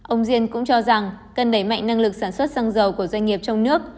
ông diên cũng cho rằng cần đẩy mạnh năng lực sản xuất xăng dầu của doanh nghiệp trong nước